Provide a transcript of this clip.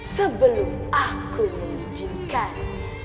sebelum aku mengizinkannya